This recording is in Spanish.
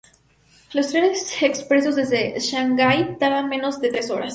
Los trenes expresos desde Shanghái tardan menos de tres horas.